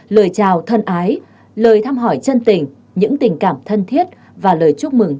lời chào thân ái lời thăm hỏi chân tình những tình cảm thân thiết và lời chúc mừng